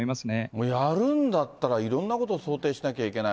もう、やるんだったら、いろんなこと想定しなきゃいけない。